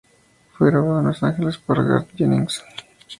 Fue grabado en Los Ángeles por Garth Jennings.